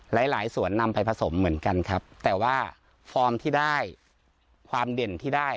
หลายหลายส่วนนำไปผสมเหมือนกันครับแต่ว่าฟอร์มที่ได้ความเด่นที่ได้